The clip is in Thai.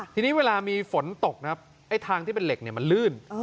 ทีนี้เวลามีฝนตกนะครับไอ้ทางที่เป็นเหล็กมันลื่น